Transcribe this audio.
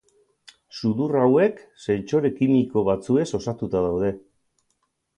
Sudur hauek, sentsore kimiko batzuez osatuta daude.